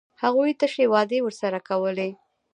هغوی تشې وعدې ورسره کړې وې.